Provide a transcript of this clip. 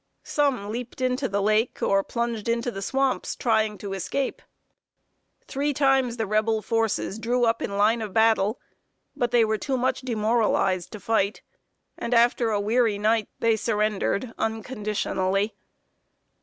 Some leaped into the lake or plunged into the swamps, trying to escape. Three times the Rebel forces drew up in line of battle; but they were too much demoralized to fight, and, after a weary night, they surrendered unconditionally.